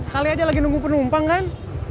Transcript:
sekali aja lagi nunggu penumpang kan